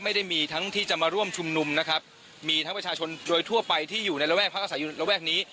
ไม่ได้มีทั้งที่จะมาร่วมชุมนุมนะครับมีทั้งประชาชนโดยทั่วไปที่อยู่ในระแวกพักอาศัยอยู่ระแวกนี้